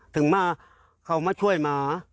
ถึงมาเขามาช่วยหมา